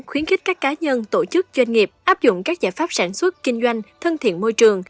khuyến khích các cá nhân tổ chức doanh nghiệp áp dụng các giải pháp sản xuất kinh doanh thân thiện môi trường